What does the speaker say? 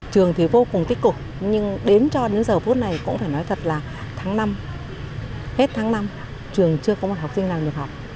trường thì vô cùng tích cực nhưng đến cho đến giờ phút này cũng phải nói thật là tháng năm hết tháng năm trường chưa có một học sinh nào được học